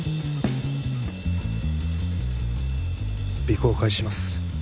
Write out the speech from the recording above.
尾行を開始します。